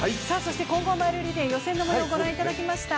混合マイルリレー、予選のもようご覧いただきました。